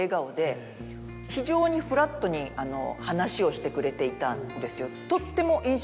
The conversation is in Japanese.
非常にフラットに話をしてくれていたんですよ。